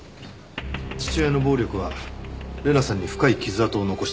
父親の暴力は玲奈さんに深い傷跡を残したって。